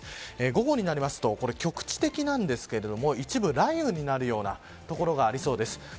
午後になりますと局地的なんですが一部、雷雨になるような所がありそうです。